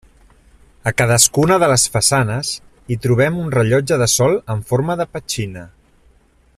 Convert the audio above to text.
A cadascuna de les façanes hi trobem un rellotge de sol amb forma de petxina.